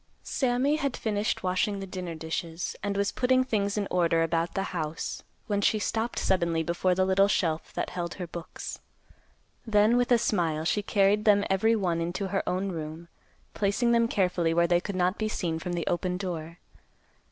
Sammy had finished washing the dinner dishes, and was putting things in order about the house, when she stopped suddenly before the little shelf that held her books. Then, with a smile, she carried them every one into her own room, placing them carefully where they could not be seen from the open door.